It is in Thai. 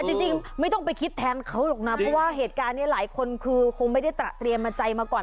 จริงไม่ต้องไปคิดแทนเขาหรอกนะเพราะว่าเหตุการณ์นี้หลายคนคือคงไม่ได้เตรียมมาใจมาก่อน